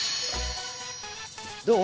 どう？